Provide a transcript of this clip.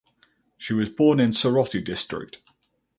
She was born in Soroti District.